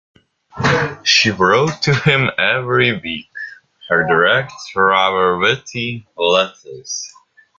She wrote to him every week her direct, rather witty letters.